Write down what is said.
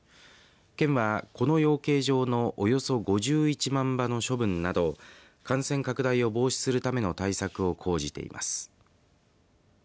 県は、この養鶏場のおよそ５１万羽の処分など感染拡大を防止するための対策を講じています。